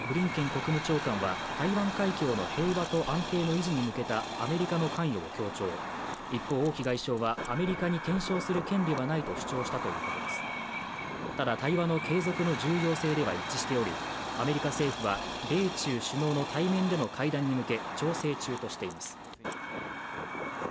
国務長官は台湾海峡の平和と安定の維持に向けたアメリカの関与を強調一方王毅外相はアメリカに干渉する権利はないと主張したということですただ対話の継続の重要性では一致しておりアメリカ政府は米中首脳の対面での会談に向け調整中としています